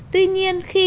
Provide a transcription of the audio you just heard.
tuy nhiên khi